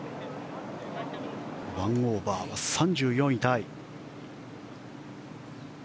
１オーバーは３４位タイ。